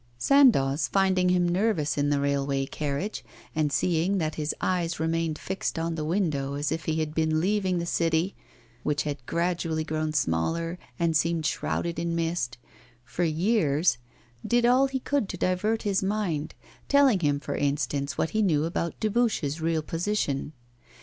Sandoz, finding him nervous in the railway carriage, and seeing that his eyes remained fixed on the window as if he had been leaving the city which had gradually grown smaller and seemed shrouded in mist for years, did all he could to divert his mind, telling him, for instance, what he knew about Dubuche's real position.